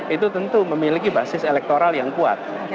itu tentu memiliki basis elektoral yang kuat